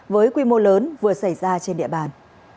với quy mô lớn vừa xảy ra trên địa bàn